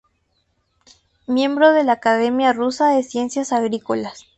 Miembro de la Academia Rusa de Ciencias Agrícolas.